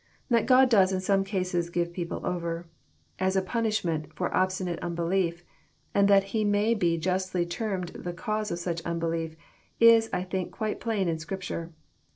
That God does in some cases give people over, as a^ punishment for obstinate unbelief, and that He may be justly termed the cause of such unbelief, is I think, quite plain in Scripture.